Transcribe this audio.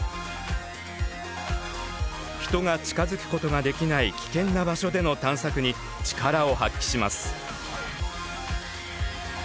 人が近づくことができない危険な場所での探索に力を発揮します。